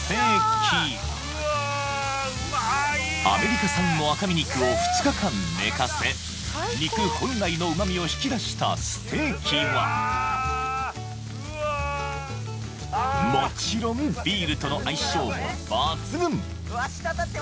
アメリカ産の赤身肉を２日間寝かせ肉本来の旨味を引き出したステーキはもちろんビールとの相性も抜群！